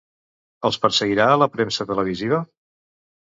Els perseguirà la premsa televisiva?